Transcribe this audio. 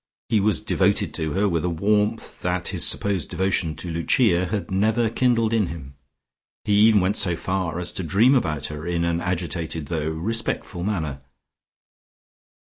He was devoted to her with a warmth that his supposed devotion to Lucia had never kindled in him; he even went so far as to dream about her in an agitated though respectful manner.